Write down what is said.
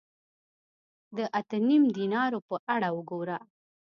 د اته نیم دینارو په اړه وګوره